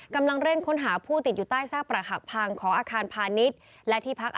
กำลังเร่งค้นหาผู้ติดอยู่ใต้ซากประหักพังของอาคารพานิช